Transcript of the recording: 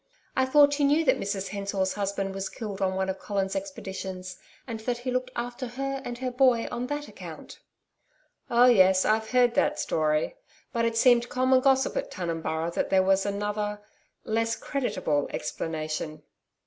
I thought you knew that Mrs Hensor's husband was killed on one of Colin's expeditions, and that he looked after her and her boy on that account.' 'Oh, yes, I've heard that story. But it seemed common gossip at Tunumburra that there was another less creditable explanation.'